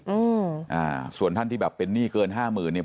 อืมอ่าส่วนท่านที่แบบเป็นหนี้เกินห้าหมื่นเนี้ย